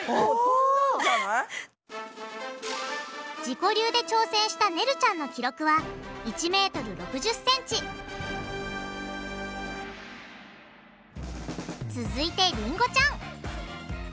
自己流で挑戦したねるちゃんの記録は続いてりんごちゃん！